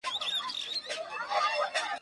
Su capital era Freiberg.